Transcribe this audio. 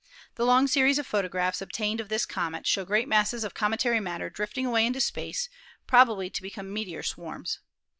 The long series of photographs obtained of this comet showed great masses of cometary matter drifting away into space, probably to become meteor swarms.